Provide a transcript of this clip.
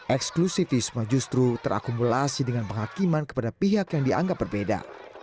eksklusifisme justru terakumulasi dengan penghakiman kepada pihak yang dianggap berbeda